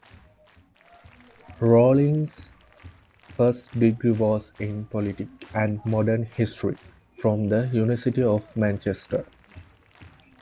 Rallings' first degree was in Politics and Modern History from the University of Manchester.